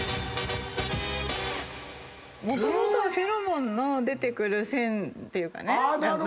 もともとはフェロモンの出てくる腺っていうかね。